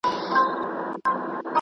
شپه مو نسته بې کوکاره چي رانه سې `